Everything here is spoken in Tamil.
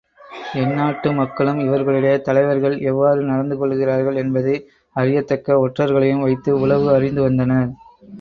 எந்நாட்டு மக்களும் இவர்களுடைய தலைவர்கள் எவ்வாறு நடந்து கொள்ளுகிறார்கள் என்பதை அறியத்தக்க ஒற்றர்களையும் வைத்து உளவு அறிந்து வந்தனர்.